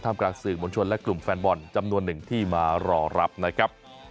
กลางสื่อมวลชนและกลุ่มแฟนบอลจำนวนหนึ่งที่มารอรับนะครับ